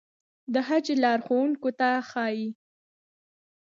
د حج لارښوونکو ته ښايي.